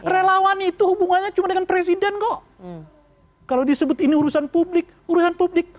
relawan itu hubungannya cuma dengan presiden kok kalau disebut ini urusan publik urusan publik